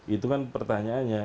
itu kan pertanyaannya